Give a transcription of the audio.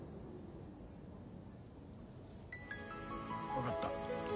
分かった。